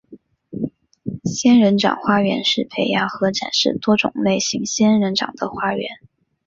仙人掌花园是培养和展示多种类型仙人掌的花园。